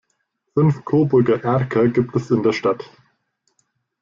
Fünf Coburger Erker gibt es in der Stadt.